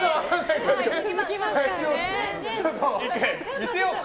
見せようか？